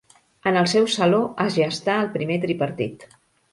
En el seu saló es gestà el primer Tripartit.